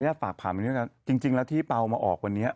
เนี่ยฝากถามกันด้วยกันจริงแล้วที่เปล่ามาออกวันนี้